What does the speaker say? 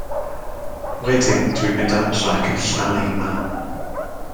Wedyn dw i'n mynd adra ac yn 'llnau i mam.